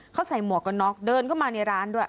เขาใส่หมวกกันน็อกเดินเข้ามาในร้านด้วย